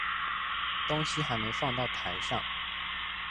東西還沒放到台上